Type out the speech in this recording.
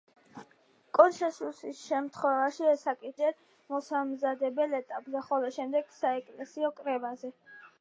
კონსესუსის შემთხვევაში ეს საკითხები განიხილებოდა ჯერ მოსამზადებელ ეტაპზე, ხოლო შემდეგ საეკლესიო კრებაზე.